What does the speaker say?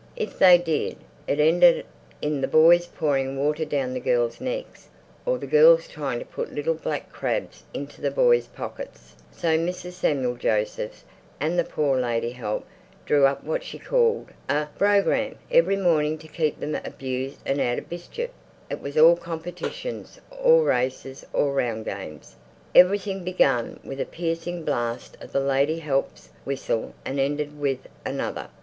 If they did, it ended in the boys pouring water down the girls' necks or the girls trying to put little black crabs into the boys' pockets. So Mrs. S. J. and the poor lady help drew up what she called a "brogramme" every morning to keep them "abused and out of bischief." It was all competitions or races or round games. Everything began with a piercing blast of the lady help's whistle and ended with another.